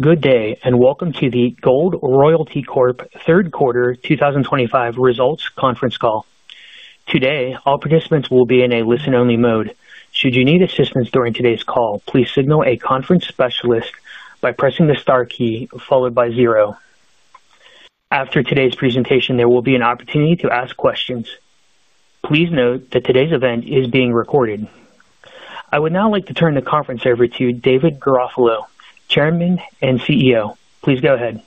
Good day and welcome to the Gold Royalty Corp third quarter 2025 results conference call. Today, all participants will be in a listen-only mode. Should you need assistance during today's call, please signal a conference specialist by pressing the star key followed by zero. After today's presentation, there will be an opportunity to ask questions. Please note that today's event is being recorded. I would now like to turn the conference over to David Garofalo, Chairman and CEO. Please go ahead.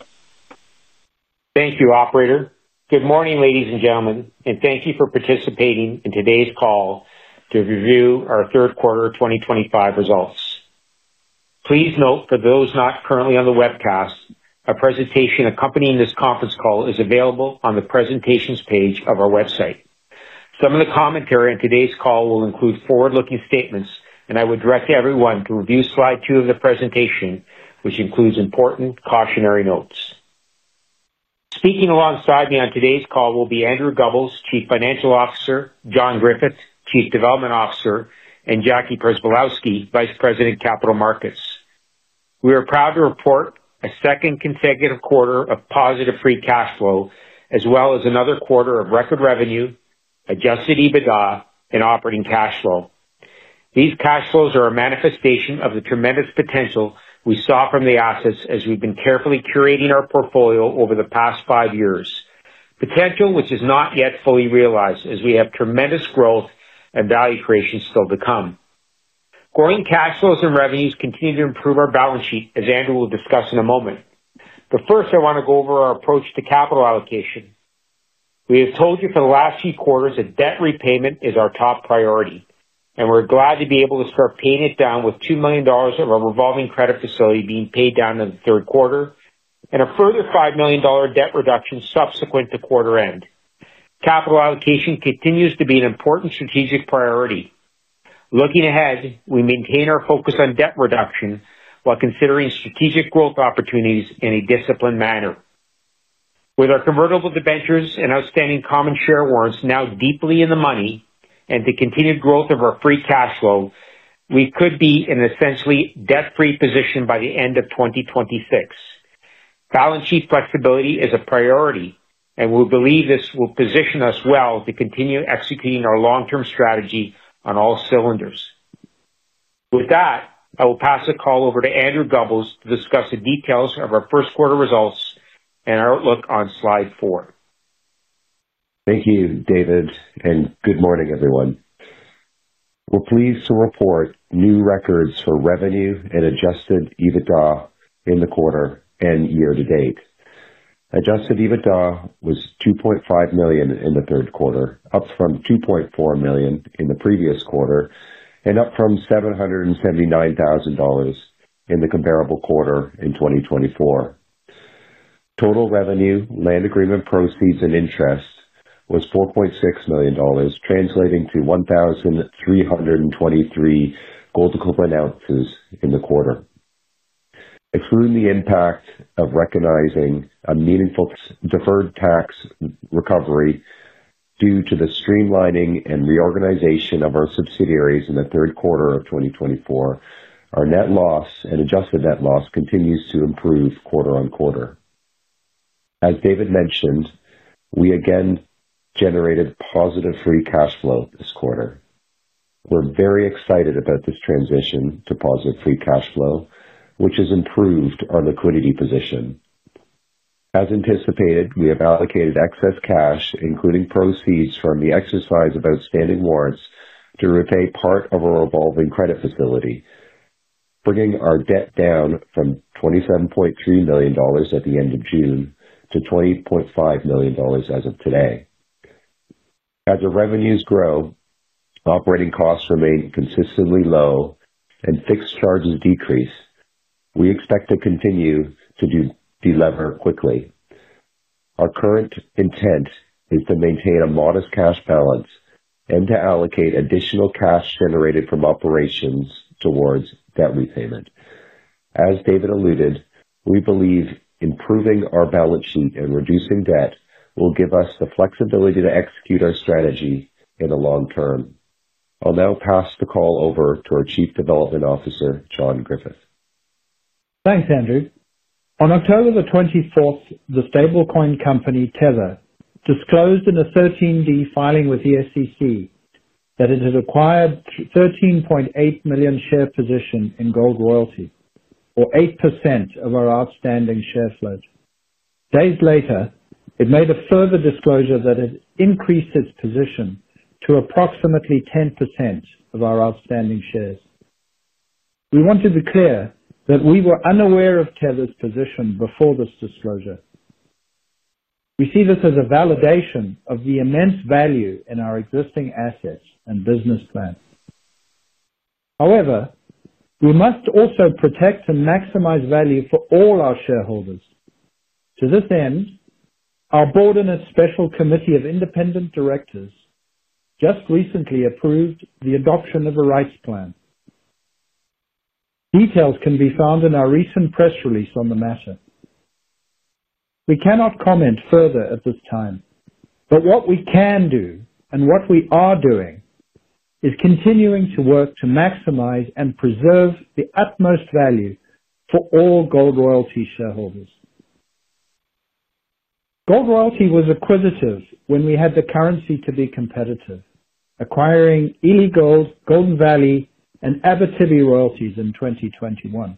Thank you, Operator. Good morning, ladies and gentlemen, and thank you for participating in today's call to review our third quarter 2025 results. Please note, for those not currently on the webcast, a presentation accompanying this conference call is available on the presentations page of our website. Some of the commentary in today's call will include forward-looking statements, and I would direct everyone to review slide two of the presentation, which includes important cautionary notes. Speaking alongside me on today's call will be Andrew Gubbels, Chief Financial Officer, John Griffith, Chief Development Officer, and Jackie Przybylowski, Vice President, Capital Markets. We are proud to report a second consecutive quarter of positive free cash flow, as well as another quarter of record revenue, adjusted EBITDA, and operating cash flow. These cash flows are a manifestation of the tremendous potential we saw from the assets as we've been carefully curating our portfolio over the past five years, potential which is not yet fully realized as we have tremendous growth and value creation still to come. Growing cash flows and revenues continue to improve our balance sheet, as Andrew will discuss in a moment. First, I want to go over our approach to capital allocation. We have told you for the last few quarters that debt repayment is our top priority, and we're glad to be able to start paying it down with $2 million of our revolving credit facility being paid down in the third quarter and a further $5 million debt reduction subsequent to quarter-end. Capital allocation continues to be an important strategic priority. Looking ahead, we maintain our focus on debt reduction while considering strategic growth opportunities in a disciplined manner. With our convertible debentures and outstanding common share warrants now deeply in the money and the continued growth of our free cash flow, we could be in an essentially debt-free position by the end of 2026. Balance sheet flexibility is a priority, and we believe this will position us well to continue executing our long-term strategy on all cylinders. With that, I will pass the call over to Andrew Gubbels to discuss the details of our first quarter results and our outlook on slide four. Thank you, David, and good morning, everyone. We're pleased to report new records for revenue and adjusted EBITDA in the quarter and year-to-date. Adjusted EBITDA was $2.5 million in the third quarter, up from $2.4 million in the previous quarter and up from $779,000 in the comparable quarter in 2024. Total revenue, land agreement proceeds, and interest was $4.6 million, translating to 1,323 gold equivalent ounces in the quarter. Excluding the impact of recognizing a meaningful deferred tax recovery due to the streamlining and reorganization of our subsidiaries in the third quarter of 2024, our net loss and adjusted net loss continues to improve quarter on quarter. As David mentioned, we again generated positive free cash flow this quarter. We're very excited about this transition to positive free cash flow, which has improved our liquidity position. As anticipated, we have allocated excess cash, including proceeds from the exercise of outstanding warrants, to repay part of our revolving credit facility, bringing our debt down from $27.3 million at the end of June to $20.5 million as of today. As our revenues grow, operating costs remain consistently low and fixed charges decrease, we expect to continue to deliver quickly. Our current intent is to maintain a modest cash balance and to allocate additional cash generated from operations towards debt repayment. As David alluded, we believe improving our balance sheet and reducing debt will give us the flexibility to execute our strategy in the long term. I'll now pass the call over to our Chief Development Officer, John Griffith. Thanks, Andrew. On October the 24th, the stablecoin company Tether disclosed in a 13D filing with the SEC that it had acquired a 13.8 million share position in Gold Royalty, or 8% of our outstanding share float. Days later, it made a further disclosure that it increased its position to approximately 10% of our outstanding shares. We want to be clear that we were unaware of Tether's position before this disclosure. We see this as a validation of the immense value in our existing assets and business plan. However, we must also protect and maximize value for all our shareholders. To this end, our board and its special committee of independent directors just recently approved the adoption of a rights plan. Details can be found in our recent press release on the matter. We cannot comment further at this time, but what we can do and what we are doing is continuing to work to maximize and preserve the utmost value for all Gold Royalty shareholders. Gold Royalty was acquisitive when we had the currency to be competitive, acquiring Ely Gold, Golden Valley, and Abitibi Royalties in 2021.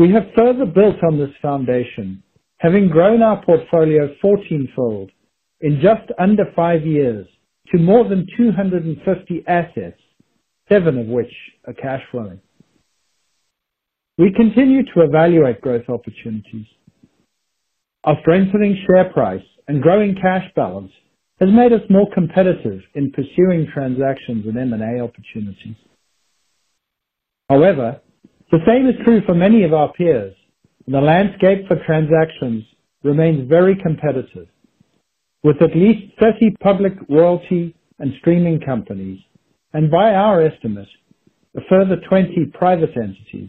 We have further built on this foundation, having grown our portfolio 14-fold in just under five years to more than 250 assets, seven of which are cash flowing. We continue to evaluate growth opportunities. Our strengthening share price and growing cash balance has made us more competitive in pursuing transactions and M&A opportunities. However, the same is true for many of our peers. The landscape for transactions remains very competitive, with at least 30 public royalty and streaming companies and, by our estimate, a further 20 private entities,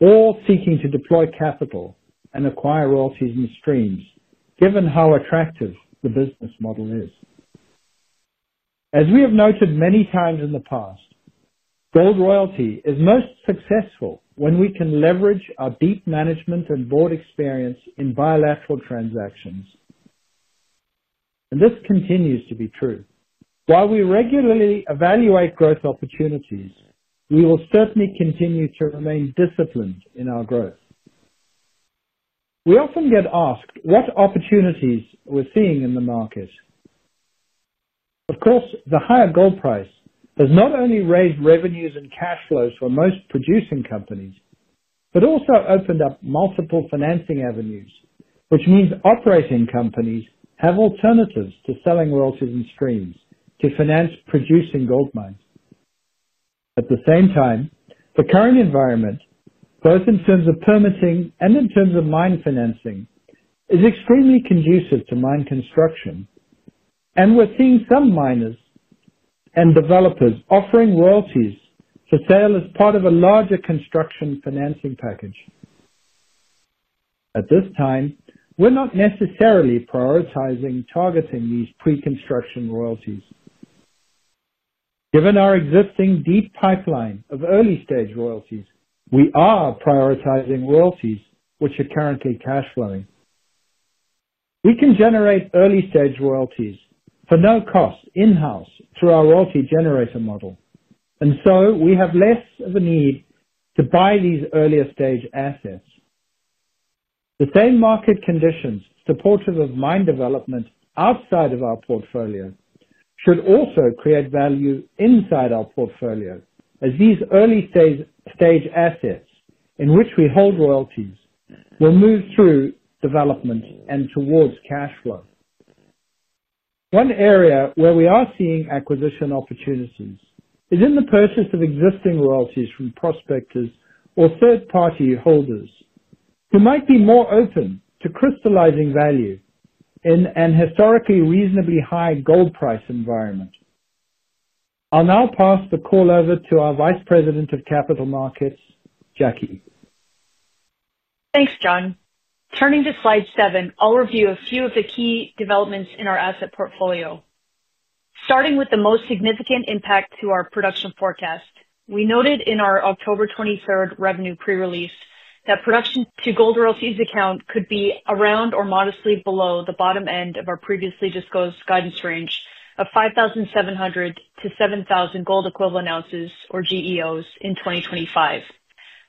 all seeking to deploy capital and acquire royalties and streams, given how attractive the business model is. As we have noted many times in the past, Gold Royalty is most successful when we can leverage our deep management and board experience in bilateral transactions. This continues to be true. While we regularly evaluate growth opportunities, we will certainly continue to remain disciplined in our growth. We often get asked what opportunities we're seeing in the market. Of course, the higher gold price has not only raised revenues and cash flows for most producing companies but also opened up multiple financing avenues, which means operating companies have alternatives to selling royalties and streams to finance producing gold mines. At the same time, the current environment, both in terms of permitting and in terms of mine financing, is extremely conducive to mine construction. We are seeing some miners and developers offering royalties for sale as part of a larger construction financing package. At this time, we are not necessarily prioritizing targeting these pre-construction royalties. Given our existing deep pipeline of early-stage royalties, we are prioritizing royalties which are currently cash flowing. We can generate early-stage royalties for no cost in-house through our royalty generator model, and so we have less of a need to buy these earlier-stage assets. The same market conditions supportive of mine development outside of our portfolio should also create value inside our portfolio, as these early-stage assets in which we hold royalties will move through development and towards cash flow. One area where we are seeing acquisition opportunities is in the purchase of existing royalties from prospectors or third-party holders who might be more open to crystallizing value in an historically reasonably high gold price environment. I'll now pass the call over to our Vice President of Capital Markets, Jackie. Thanks, John. Turning to slide seven, I'll review a few of the key developments in our asset portfolio. Starting with the most significant impact to our production forecast, we noted in our October 23rd revenue pre-release that production to Gold Royalty's account could be around or modestly below the bottom end of our previously disclosed guidance range of 5,700-7,000 gold equivalent ounces, or GEOs, in 2025.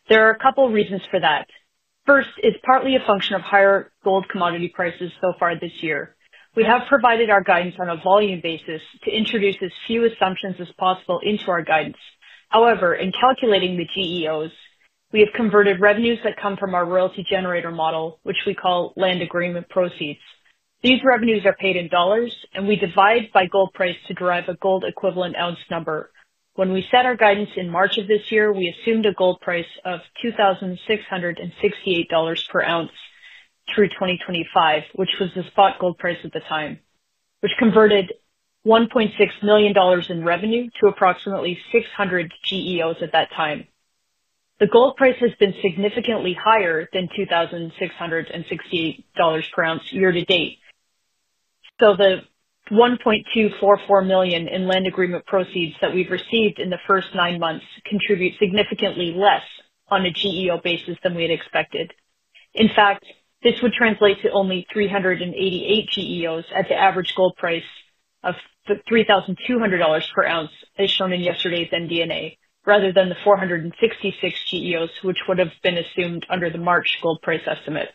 There are a couple of reasons for that. First, it's partly a function of higher gold commodity prices so far this year. We have provided our guidance on a volume basis to introduce as few assumptions as possible into our guidance. However, in calculating the GEOs, we have converted revenues that come from our royalty generator model, which we call land agreement proceeds. These revenues are paid in dollars, and we divide by gold price to derive a gold equivalent ounce number. When we set our guidance in March of this year, we assumed a gold price of $2,668 per ounce through 2025, which was the spot gold price at the time, which converted $1.6 million in revenue to approximately 600 GEOs at that time. The gold price has been significantly higher than $2,668 per ounce year-to-date. The $1.244 million in land agreement proceeds that we've received in the first nine months contribute significantly less on a GEO basis than we had expected. In fact, this would translate to only 388 GEOs at the average gold price of $3,200 per ounce, as shown in yesterday's MD&A, rather than the 466 GEOs, which would have been assumed under the March gold price estimate.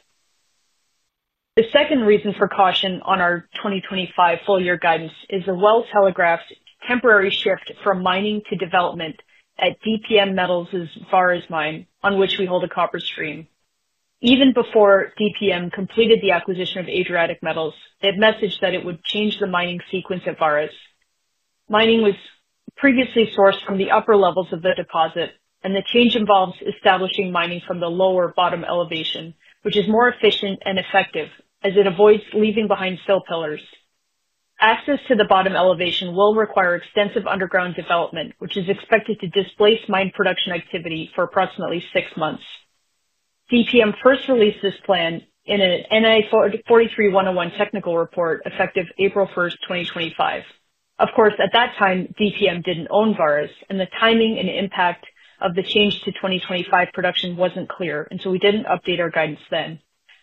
The second reason for caution on our 2025 full-year guidance is a well-telegraphed temporary shift from mining to development at Dundee Metals's Vareš Mine, on which we hold a copper stream. Even before Dundee completed the acquisition of Adriatic Metals, they had messaged that it would change the mining sequence at Vareš. Mining was previously sourced from the upper levels of the deposit, and the change involves establishing mining from the lower bottom elevation, which is more efficient and effective as it avoids leaving behind fill pillars. Access to the bottom elevation will require extensive underground development, which is expected to displace mine production activity for approximately six months. Dundee first released this plan in an NI 43-101 technical report effective April 1st, 2025. Of course, at that time, DPM did not own Vareš, and the timing and impact of the change to 2025 production was not clear, and so we did not update our guidance then.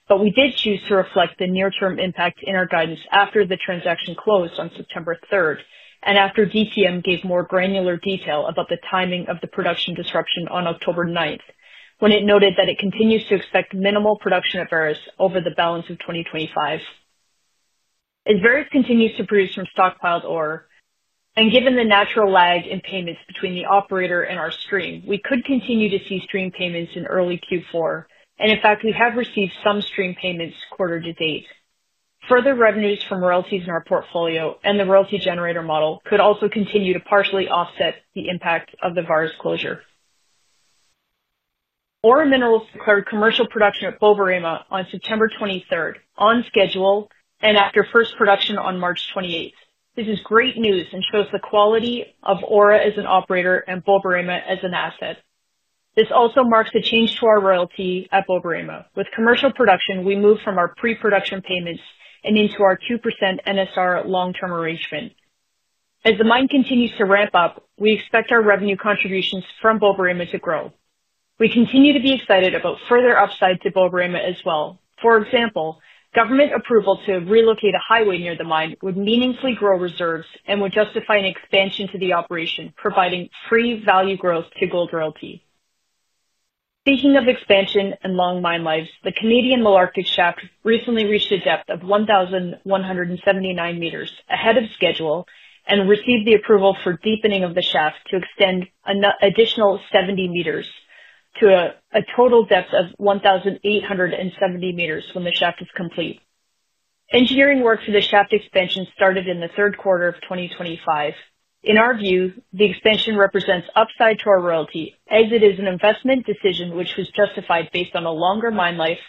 We did choose to reflect the near-term impact in our guidance after the transaction closed on September 3rd and after DPM gave more granular detail about the timing of the production disruption on October 9th, when it noted that it continues to expect minimal production at Vareš over the balance of 2025. As Vareš continues to produce from stockpiled ore, and given the natural lag in payments between the operator and our stream, we could continue to see stream payments in early Q4. In fact, we have received some stream payments quarter-to-date. Further revenues from royalties in our portfolio and the royalty generator model could also continue to partially offset the impact of the Vareš closure. Aura Minerals declared commercial production at Borborema on September 23rd, on schedule, and after first production on March 28th. This is great news and shows the quality of Aura as an operator and Borborema as an asset. This also marks a change to our royalty at Borborema. With commercial production, we move from our pre-production payments and into our 2% NSR long-term arrangement. As the mine continues to ramp up, we expect our revenue contributions from Borborema to grow. We continue to be excited about further upside to Borborema as well. For example, government approval to relocate a highway near the mine would meaningfully grow reserves and would justify an expansion to the operation, providing free value growth to Gold Royalty. Speaking of expansion and long mine lives, the Canadian Malartic shaft recently reached a depth of 1,179 meters ahead of schedule and received the approval for deepening of the shaft to extend an additional 70 meters to a total depth of 1,870 meters when the shaft is complete. Engineering work for the shaft expansion started in the third quarter of 2025. In our view, the expansion represents upside to our royalty as it is an investment decision which was justified based on a longer mine life,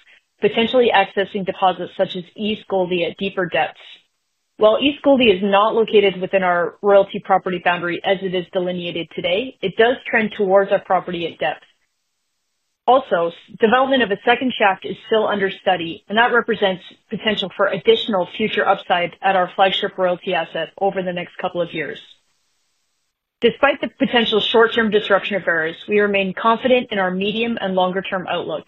potentially accessing deposits such as East Gouldie at deeper depths. While East Gouldie is not located within our royalty property boundary as it is delineated today, it does trend towards our property at depth. Also, development of a second shaft is still under study, and that represents potential for additional future upside at our flagship royalty asset over the next couple of years. Despite the potential short-term disruption of Vareš, we remain confident in our medium and longer-term outlook.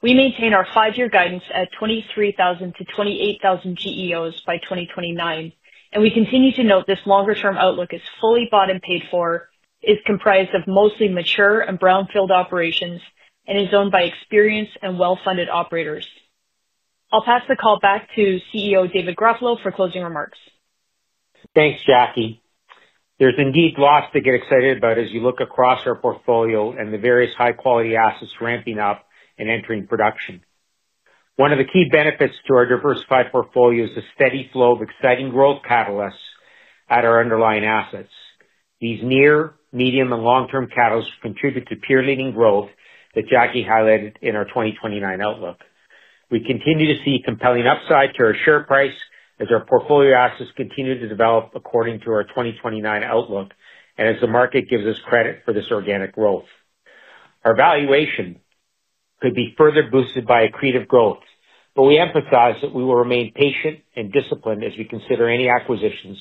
We maintain our five-year guidance at 23,000-28,000 GEOs by 2029, and we continue to note this longer-term outlook is fully bought and paid for, is comprised of mostly mature and brownfield operations, and is owned by experienced and well-funded operators. I'll pass the call back to CEO David Garofalo for closing remarks. Thanks, Jackie. There's indeed lots to get excited about as you look across our portfolio and the various high-quality assets ramping up and entering production. One of the key benefits to our diversified portfolio is a steady flow of exciting growth catalysts at our underlying assets. These near, medium, and long-term catalysts contribute to peer-leading growth that Jackie highlighted in our 2029 outlook. We continue to see compelling upside to our share price as our portfolio assets continue to develop according to our 2029 outlook and as the market gives us credit for this organic growth. Our valuation could be further boosted by accretive growth, but we emphasize that we will remain patient and disciplined as we consider any acquisitions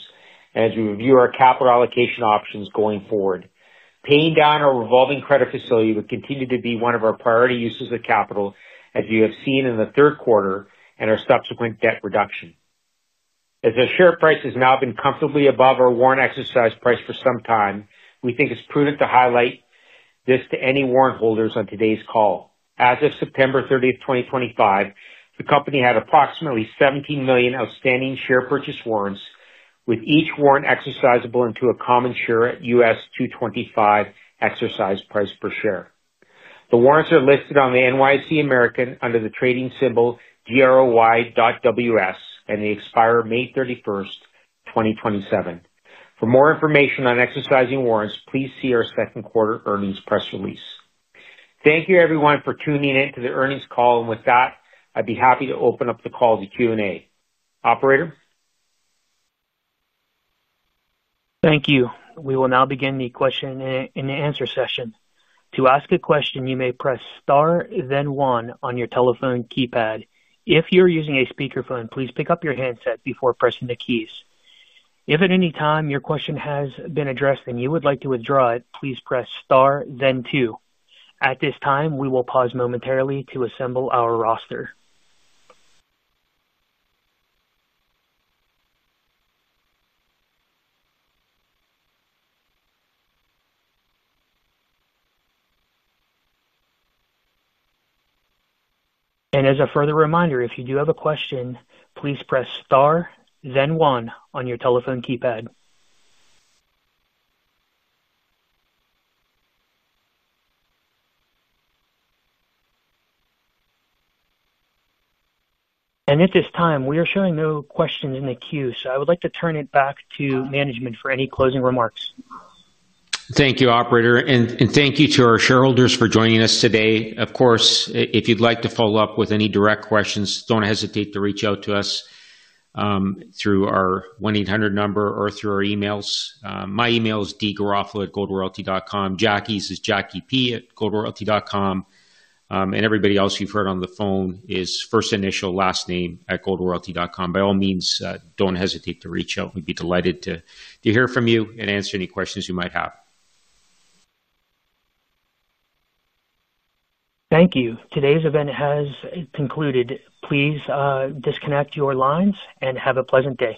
and as we review our capital allocation options going forward. Paying down our revolving credit facility would continue to be one of our priority uses of capital, as you have seen in the third quarter and our subsequent debt reduction. As our share price has now been comfortably above our warrant exercise price for some time, we think it's prudent to highlight this to any warrant holders on today's call. As of September 30th, 2025, the company had approximately 17 million outstanding share purchase warrants, with each warrant exercisable into a common share at $2.25 exercise price per share. The warrants are listed on the NYSE American under the trading symbol GROY.WS, and they expire May 31st, 2027. For more information on exercising warrants, please see our second quarter earnings press release. Thank you, everyone, for tuning in to the earnings call. I'd be happy to open up the call to Q&A. Operator? Thank you. We will now begin the question and answer session. To ask a question, you may press star, then one on your telephone keypad. If you're using a speakerphone, please pick up your handset before pressing the keys. If at any time your question has been addressed and you would like to withdraw it, please press star, then two. At this time, we will pause momentarily to assemble our roster. As a further reminder, if you do have a question, please press star, then one on your telephone keypad. At this time, we are showing no questions in the queue, so I would like to turn it back to management for any closing remarks. Thank you, Operator. Thank you to our shareholders for joining us today. Of course, if you'd like to follow up with any direct questions, do not hesitate to reach out to us through our 1-800 number or through our emails. My email is dgarofalo@goldroyalty.com. Jackie's is jackiep@goldroyalty.com. Everybody else you've heard on the phone is first initial, last name at goldroyalty.com. By all means, do not hesitate to reach out. We'd be delighted to hear from you and answer any questions you might have. Thank you. Today's event has concluded. Please disconnect your lines and have a pleasant day.